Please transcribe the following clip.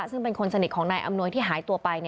ซึ่งเป็นคนสนิทของนายอำนวยที่หายตัวไป